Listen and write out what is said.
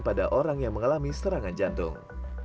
pada orang yang mengalami serangan jantung